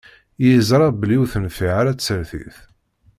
Yeẓṛa belli ur tenfiɛ ara tsertit.